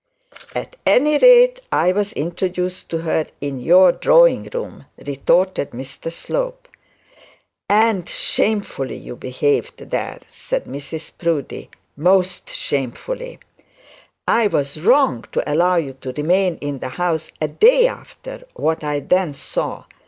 'At any rate, I was introduced to her in your drawing room,' returned Mr Slope. 'And shamefully you behave there,' said Mrs Proudie, 'most shamefully. I was wrong to allow you to remain in the house a day after what I then saw.